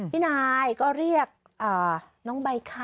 พี่นายก็เรียกน้องใบค่า